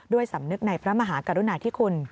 ด้วยสำนึกในพระมหากรณาที่คุณ